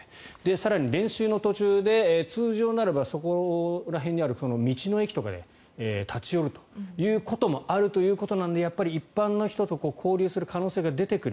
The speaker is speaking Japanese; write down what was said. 更に、練習の途中で通常ならば、そこら辺にある道の駅とかに立ち寄るということもあるということなのでやっぱり一般の人と交流する可能性が出てくる。